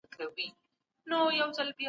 هر هېواد خپلې ځانګړې اقتصادي ستونزي لري.